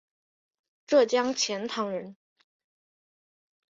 浙江钱塘人。